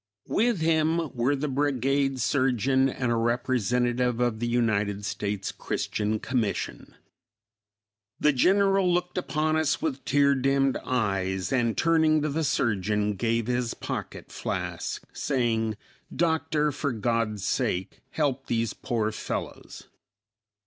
With him were the brigade surgeon and a representative of the United States Christian Commission. The General looked upon us with tear dimmed eyes; and turning to the surgeon gave his pocket flask, saying, "Doctor, for God's sake, help these poor fellows."